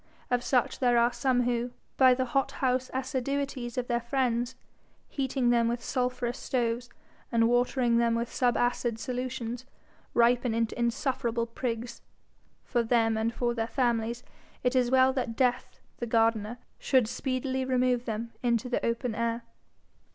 Of such there are some who, by the hot house assiduities of their friends, heating them with sulphurous stoves, and watering them with subacid solutions, ripen into insufferable prigs. For them and for their families it is well that Death the gardener should speedily remove them into the open air.